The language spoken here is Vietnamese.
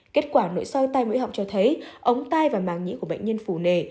kết quả nội soi tai mũi họng cho thấy ống tai và màng nhĩ của bệnh nhân phù nề